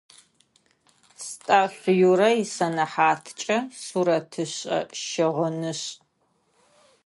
Стӏашъу Юрэ исэнэхьаткӏэ сурэтышӏэ-щыгъынышӏ.